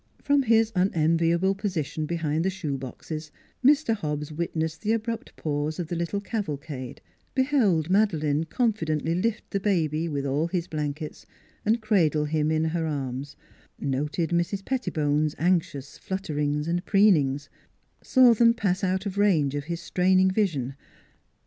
From his unenviable position behind the shoe boxes Mr. Hobbs witnessed the abrupt pause of the little cavalcade; beheld Madeleine confidently lift the baby, with all his blankets, and cradle him in her arms; noted Mrs. Pettibone's anxious flutterings and preenings; saw them pass out of range of his straining vision.